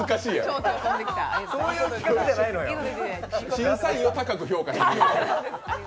審査員を高く評価してる。